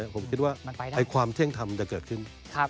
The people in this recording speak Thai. ผมคิดว่าให้ความเที่ยงทำจะเกิดขึ้น